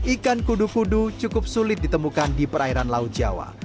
ikan kudu kudu cukup sulit ditemukan di perairan laut jawa